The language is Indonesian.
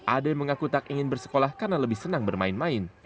ade mengaku tak ingin bersekolah karena lebih senang bermain main